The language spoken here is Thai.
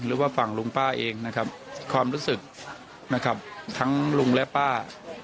หรือว่าฝั่งลุงป้าเองนะครับความรู้สึกนะครับทั้งลุงและป้า